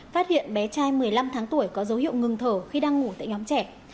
phát hiện bé trai một mươi năm tháng tuổi có dấu hiệu ngừng thở khi đang ngủ tại nhóm trẻ